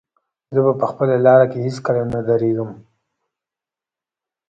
زه به په خپله لاره کې هېڅکله نه درېږم.